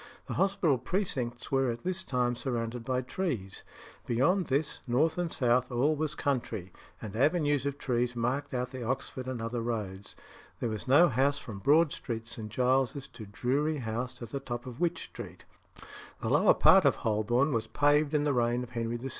The hospital precincts were at this time surrounded by trees. Beyond this, north and south, all was country; and avenues of trees marked out the Oxford and other roads. There was no house from Broad Street, St. Giles's, to Drury House at the top of Wych Street. The lower part of Holborn was paved in the reign of Henry VI.